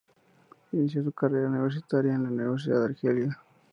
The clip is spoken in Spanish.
Inició su carrera universitaria en la Universidad de Argelia.